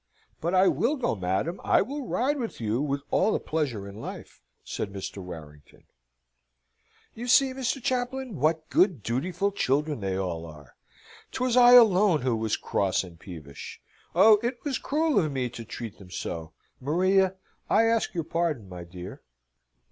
"But I will go, madam; I will ride with you with all the pleasure in life," said Mr. Warrington. "You see, Mr. Chaplain, what good, dutiful children they all are. 'Twas I alone who was cross and peevish. Oh, it was cruel of me to treat them so! Maria, I ask your pardon, my dear."